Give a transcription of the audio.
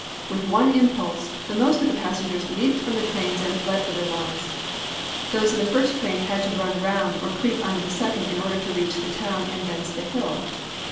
With one impulse, the most of the passengers leaped from the trains and fled for their lives. Those in the first train had to run round, or creep under the second in order to reach the town, and thence the hill.